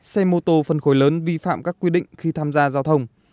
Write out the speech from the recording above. xe mô tô phân khối lớn vi phạm các quy định khi tham gia giao thông